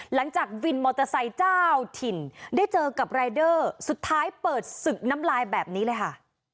หลังจากวินมอเตอร์ไซค์เจ้าถิ่นได้เจอกับรายเดอร์สุดท้ายเปิดศึกน้ำลายแบบนี้เลยค่ะ